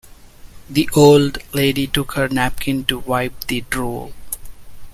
The old lady took her napkin to wipe the drool.